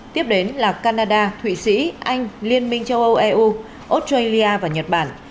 tiếp đến là canada thụy sĩ anh liên minh châu âu eu australia và nhật bản